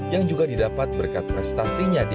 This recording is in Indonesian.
yang juga didapat berkat prestasinya di